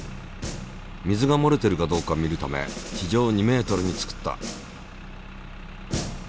水がもれてるかどうか見るため地上２ｍに造った。